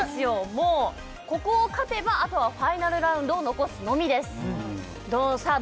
もうここを勝てばあとはファイナルラウンドを残すのみですさあ